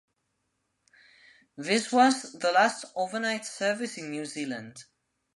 This was the last overnight service in New Zealand.